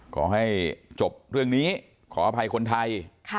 ขอให้จบเรื่องนี้ขออภัยคนไทย